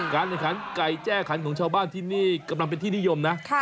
การแข่งขันไก่แจ้ขันของชาวบ้านที่นี่กำลังเป็นที่นิยมนะ